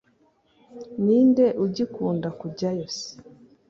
Ninde ugikunda kujyayo se